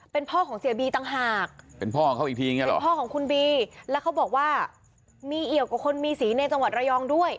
เป็นพ่อของเสียบีต่างหากเป็นพ่อของคุณบีแล้วเขาบอกว่ามีเอียวกับคนมีสีในจังหวัดระยองด้วย